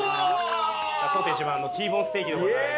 当店自慢のＴボーンステーキでございます。